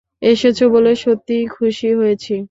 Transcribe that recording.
এসেছ বলে সত্যিই খুশি হয়েছি।